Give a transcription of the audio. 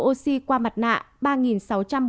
thở oxy qua mặt nạ ba sáu trăm bốn mươi bảy ca